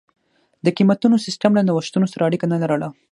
د قېمتونو سیستم له نوښتونو سره اړیکه نه لرله.